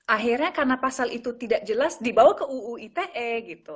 akhirnya karena pasal itu tidak jelas dibawa ke uu ite gitu